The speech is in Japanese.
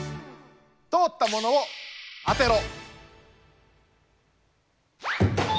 通ったモノを当てろ！